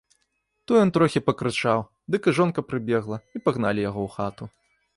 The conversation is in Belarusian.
То ён трохі пакрычаў, дык і жонка прыбегла, і пагналі яго ў хату.